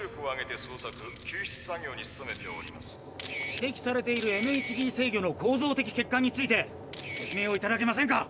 指摘されているＭＨＤ制御の構造的欠陥について説明をいただけませんか。